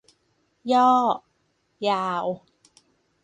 ย่อ : ยาว